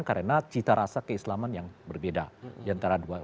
karena cita rasa keislaman yang berbeda diantara dua